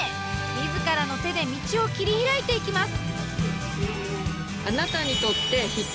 自らの手で道を切り開いていきます！